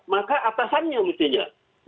maka atasannya mestinya